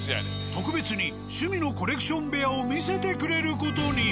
特別に趣味のコレクション部屋を見せてくれる事に。